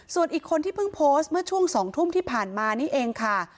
ส่วนอีกคนที่เพิ่งโพสต์เมื่อช่วง๒ทุ่มที่ผ่านมานี่เองค่ะ